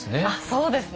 そうですね